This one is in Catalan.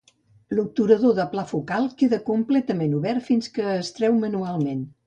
L'obturador de pla focal queda completament obert fins que es treu manualment.